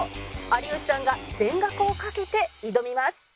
有吉さんが全額を賭けて挑みます